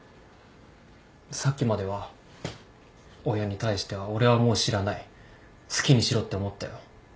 さっきまでは親に対しては俺はもう知らない好きにしろって思ったよ。